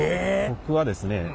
僕はですね